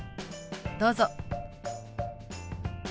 どうぞ。